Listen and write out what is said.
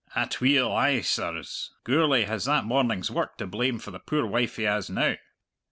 Atweel, ay, sirs, Gourlay has that morning's work to blame for the poor wife he has now.